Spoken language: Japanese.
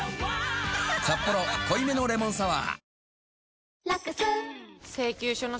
「サッポロ濃いめのレモンサワー」